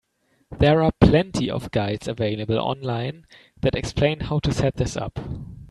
There are plenty of guides available online that explain how to set this up.